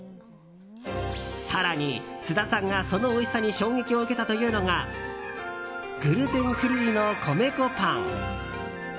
更に、津田さんがそのおいしさに衝撃を受けたというのがグルテンフリーの米粉パン。